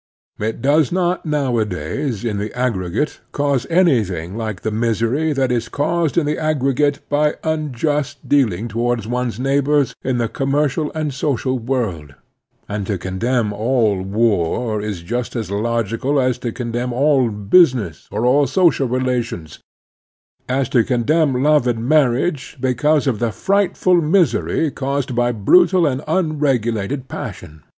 It does not nowadays in the aggregate cause anything like the misery that is caused in the aggregate by imjust dealing toward one's neigh bors in the commercial and social worid ; and to condemn all war is just as logical as to condemn all business and all social relations, as to condemn love and marriage because of the frightful misery caused by brutal and imregulated passion.